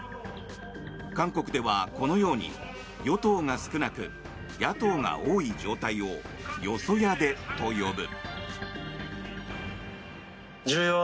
韓国ではこのように与党が少なく野党が多い状態を与小野大と呼ぶ。